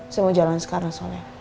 saya mau jalan sekarang soalnya